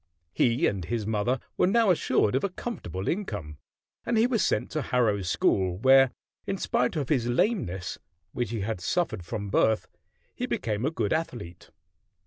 He and his mother were now assured of a comfortable income, and he was sent to Harrow School, where, in spite of his lameness, which he had suffered from birth, he became a good athlete.